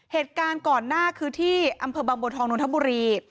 เหตุการณ์ก่อนหน้าคือที่อำเภอบางบัวทองนนทบุรี